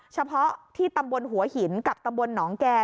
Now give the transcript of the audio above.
เฉพาะที่ตำบลหัวหินกับตำบลหนองแก่